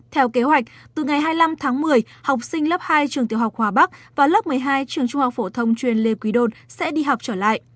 theo kế hoạch từ ngày hai mươi năm tháng một mươi học sinh lớp hai trường tiểu học hòa bắc và lớp một mươi hai trường trung học phổ thông chuyên lê quý đôn sẽ đi học trở lại